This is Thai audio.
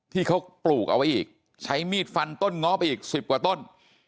ที่เขาปลูกเอาไว้อีกใช้มีดฟันต้นง้อไปอีก๑๐กว่าต้น